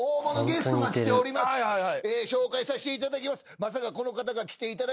紹介さしていただきます。